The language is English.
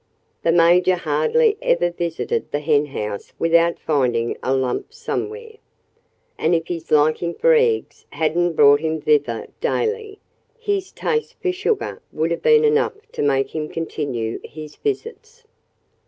The Major hardly ever visited the henhouse without finding a lump somewhere. And if his liking for eggs hadn't brought him thither daily, his taste for sugar would have been enough to make him continue his visits.